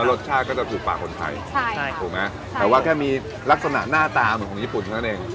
รสชาติก็จะถูกปากคนไทยใช่ถูกไหมแต่ว่าแค่มีลักษณะหน้าตาเหมือนของญี่ปุ่นเท่านั้นเอง